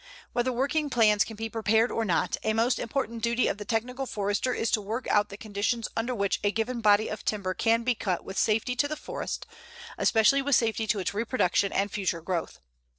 Whether working plans can be prepared or not, a most important duty of the technical Forester is to work out the conditions under which a given body of timber can be cut with safety to the forest, especially with safety to its reproduction and future growth.